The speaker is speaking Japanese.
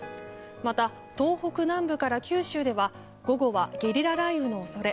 また、東北南部から九州では午後はゲリラ雷雨の恐れ。